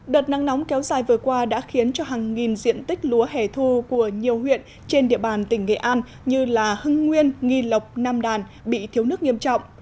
đợt nắng nóng kéo dài vừa qua đã khiến cho hàng nghìn diện tích lúa hẻ thu của nhiều huyện trên địa bàn tỉnh nghệ an như hưng nguyên nghi lộc nam đàn bị thiếu nước nghiêm trọng